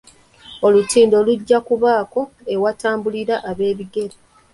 Olutindo lujja kubaako ewatambulira ab'ebigere.